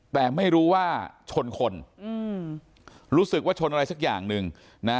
แต่ไม่รู้ว่าชนคนอืมรู้สึกว่าชนอะไรสักอย่างหนึ่งนะ